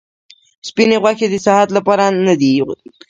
سپیني غوښي د صحت لپاره نه دي ښه.